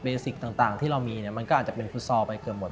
สิกต่างที่เรามีเนี่ยมันก็อาจจะเป็นฟุตซอลไปเกือบหมด